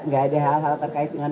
gak ada hal hal terkait dengan